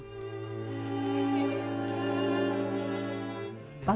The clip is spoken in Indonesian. hatirani remuk saat tahu putranya telah berpulang